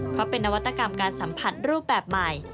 เพราะเป็นนวัตกรรมการสัมผัสรูปแบบใหม่